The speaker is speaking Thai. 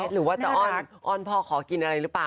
หรือว่าจะอ้อนพ่อขอกินอะไรหรือเปล่า